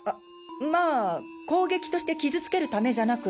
まあ攻撃として傷つけるためじゃなく